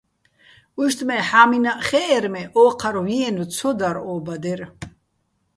უჲშტ მე, ჰ̦ა́მინაჸ ხეჸერ, მე ოჴარ ვიენო̆ ცო დარ ო ბადერ.